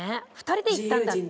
２人で行ったんだっけ？